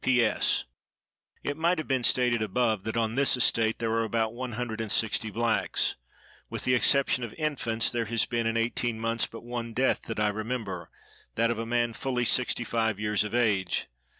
P. S.—It might have been stated above that on this estate there are about one hundred and sixty blacks. With the exception of infants, there has been, in eighteen months, but one death that I remember,—that of a man fully sixty five years of age.